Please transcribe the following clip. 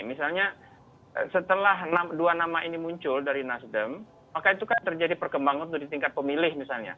misalnya setelah dua nama ini muncul dari nasdem maka itu kan terjadi perkembangan untuk di tingkat pemilih misalnya